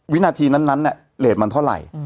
วินาทีนั้นเลสมันเท่าไหร่